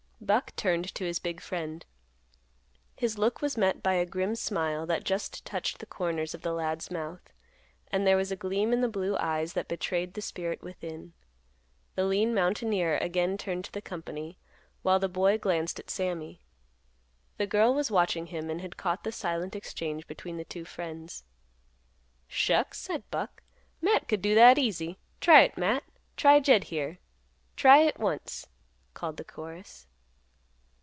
Buck turned to his big friend. His look was met by a grim smile that just touched the corners of the lad's mouth, and there was a gleam in the blue eyes that betrayed the spirit within. The lean mountaineer again turned to the company, while the boy glanced at Sammy. The girl was watching him and had caught the silent exchange between the two friends. "Shucks!" said Buck; "Matt could do that easy." "Try it, Matt." "Try Jed here." "Try hit once," called the chorus.